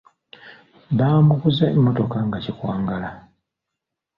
Baamuguza emmotoka nga kikwangala.